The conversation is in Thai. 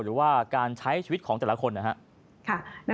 หรือว่าการใช้ชีวิตของแต่ละคน